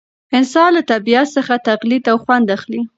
انسان له طبیعت څخه تقلید او خوند اخلي.